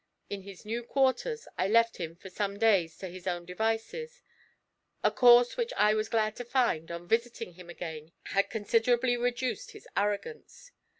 In his new quarters I left him for some days to his own devices: a course which I was glad to find, on visiting him again, had considerably reduced his arrogance.